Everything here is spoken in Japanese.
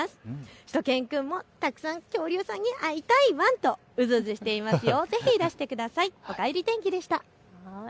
しゅと犬くんもたくさん恐竜さんに会いたいワン！とうずうずしていますよ。